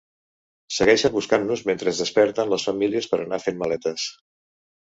Segueixen buscant-nos mentre desperten les famílies per anar fent maletes.